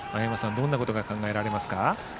どんなことが考えられますか。